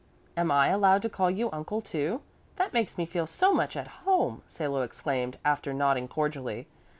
"Am I allowed to call you Uncle, too? That makes me feel so much at home!" Salo exclaimed after nodding cordially.